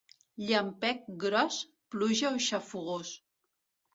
Llampec gros, pluja o xafogors.